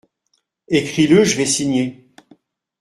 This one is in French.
Écris-le, je vais signer.